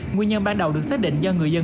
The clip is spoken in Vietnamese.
nguyên nhân ban đầu được xác định do người dân